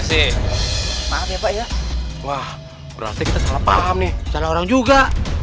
sih maaf ya pak ya wah berarti kita salah paham nih salah orang juga